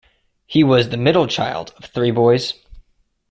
He was the middle child of three boys.